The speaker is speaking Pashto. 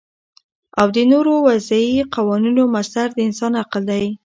او د نورو وضعی قوانینو مصدر د انسان عقل دی